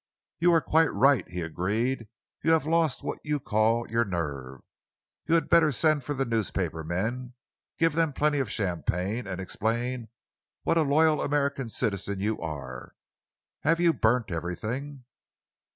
"You are quite right," he agreed. "You have lost what you call your nerve. You had better send for the newspaper men, give them plenty of champagne, and explain what a loyal American citizen you are. Have you burnt everything?"